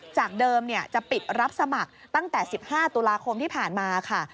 จากเดิมจะปิดรับสมัครตั้งแต่๑๕ตุลาคมที่ผ่านมาค่ะ